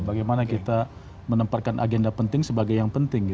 bagaimana kita menempatkan agenda penting sebagai yang penting